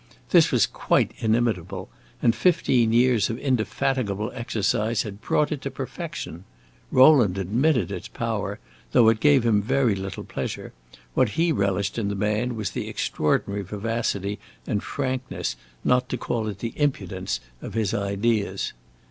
This was quite inimitable, and fifteen years of indefatigable exercise had brought it to perfection. Rowland admitted its power, though it gave him very little pleasure; what he relished in the man was the extraordinary vivacity and frankness, not to call it the impudence, of his ideas.